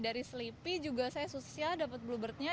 dari sleepy juga saya sosial dapat blue bird nya